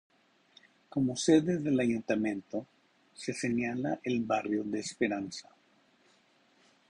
Como sede del ayuntamiento se señala el barrio de Esperanza.